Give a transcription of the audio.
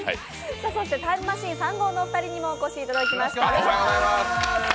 そしてタイムマシーン３号のお二人にもお越しいただきました。